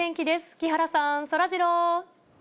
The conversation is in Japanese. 木原さん、そらジロー。